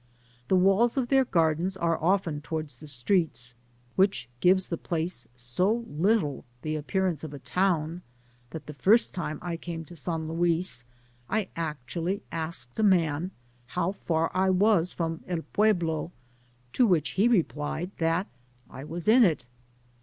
The walls of their gardens are often towards the streets, which gives the place so little the appearance of a town^ Digitized byGoogk THfi PAMPAS. S4S that the first time I caiae to San Luis, I actually asked a man ho^ir far I was from El Pueblo ; to which he replied, that I was in it.